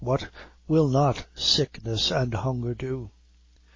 what will not sickness and hunger do?